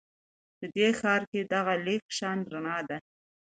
په دې ښار کې دغه لږه شان رڼا ده